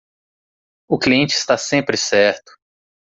O cliente está sempre certo.